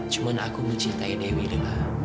cuma aku mencintai dewi dong